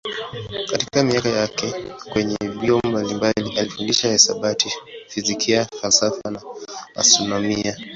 Katika miaka yake kwenye vyuo mbalimbali alifundisha hisabati, fizikia, falsafa na astronomia.